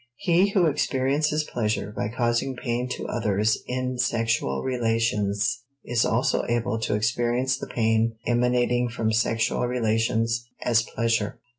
He who experiences pleasure by causing pain to others in sexual relations is also able to experience the pain emanating from sexual relations as pleasure.